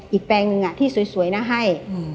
แปลงหนึ่งที่สวยนะให้